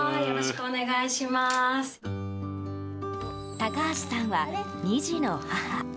高橋さんは２児の母。